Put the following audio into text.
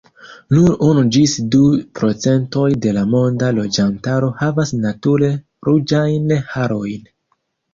Nur unu ĝis du procentoj de la monda loĝantaro havas nature ruĝajn harojn.